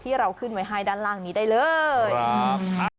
ที่เราขึ้นไว้ไฮด้านล่างนี้ได้เลย